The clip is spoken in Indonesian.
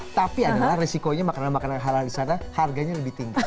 tapi adalah resikonya makanan makanan halal di sana harganya lebih tinggi